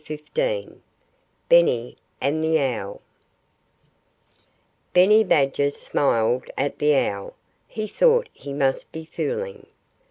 XV BENNY AND THE OWL Benny Badger smiled at the owl. He thought he must be fooling.